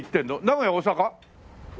名古屋大阪？